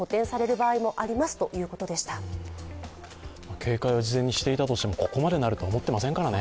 警戒は事前にしていたとしてもここまでになるとは思ってませんからね。